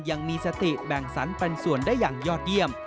ยังมีสติแบ่งสรรปันส่วนได้อย่างยอดเยี่ยม